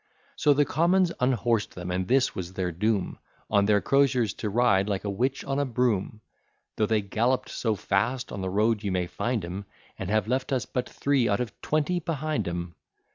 So the commons unhors'd them; and this was their doom, On their crosiers to ride like a witch on a broom. Though they gallop'd so fast, on the road you may find 'em, And have left us but three out of twenty behind 'em.